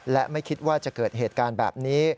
และไม่คิดว่าจะเกิดเหตุการณ์แบบนี้